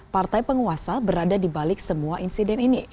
partai penguasa berada di balik semua insiden ini